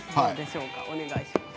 お願いします。